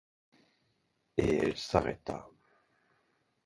Et elle s’arrêta.